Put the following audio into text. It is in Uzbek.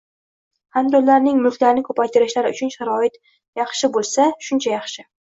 hamda ular mulklarini ko‘paytirishlari uchun sharoit qancha yaxshi bo‘lsa, shuncha yaxshi.